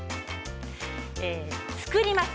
作ります